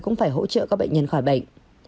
cũng phải hỗ trợ các bệnh nhân khỏi bệnh